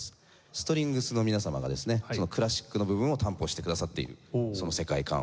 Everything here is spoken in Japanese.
ストリングスの皆様がですねクラシックの部分を担保してくださっているその世界観を。